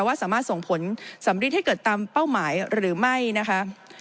ว่าสามารถส่งผลสำริดให้เกิดตามเป้าหมายหรือไม่นะคะ